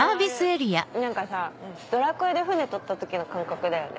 何かさ『ドラクエ』で船取った時の感覚だよね。